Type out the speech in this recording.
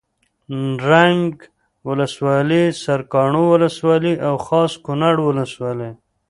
نرنګ ولسوالي سرکاڼو ولسوالي او خاص کونړ ولسوالي